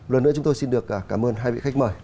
lần nữa chúng tôi xin được cảm ơn hai vị khách mời